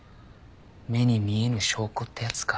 目に見えぬ証拠ってやつか。